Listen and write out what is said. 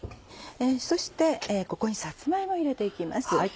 そしてここにさつま芋を入れて行きます。